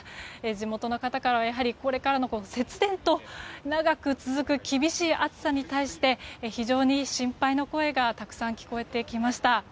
地元の方からはやはりこれからは節電と、長く続く厳しい暑さに対して非常に心配の声がたくさん聞こえてきました。